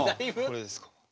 これですか？